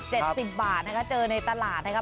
หวีละ๖๐๗๐บาทนะคะเจอในตลาดนะครับ